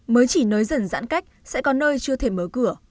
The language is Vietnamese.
mới chỉ nới dần giãn cách sẽ có nơi chưa thể mở cửa